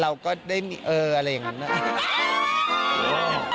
เราก็ได้มีเอออะไรอย่างนั้นนะ